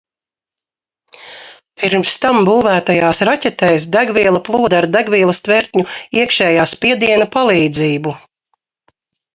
Pirms tam būvētajās raķetēs degviela plūda ar degvielas tvertņu iekšējā spiediena palīdzību.